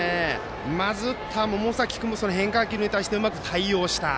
まず打った百崎君も変化球に対しうまく対応した。